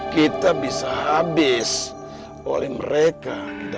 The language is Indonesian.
kita bisa habis oleh mereka